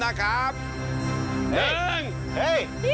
เสาคำยันอาวุธิ